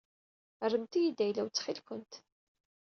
Rremt-iyi-d ayla-w ttxil-kent.